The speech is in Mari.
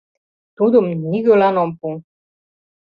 Тудым нигӧлан ом пу!